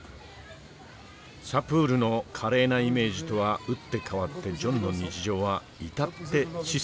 サプールの華麗なイメージとは打って変わってジョンの日常は至って質素です。